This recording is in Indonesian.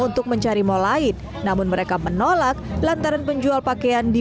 untuk mencari mal lain namun mereka menolak lantaran penjual pakaian di